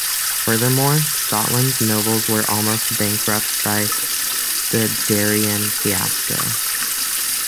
Furthermore, Scotland's nobles were almost bankrupted by the Darien fiasco.